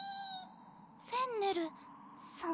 フェンネルさん？